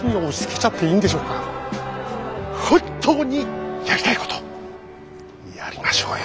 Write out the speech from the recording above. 本当にやりたいことやりましょうよ。